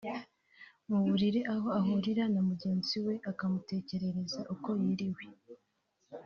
mu buriri aho ahurira na mugenzi we akamutekerereza uko yiriwe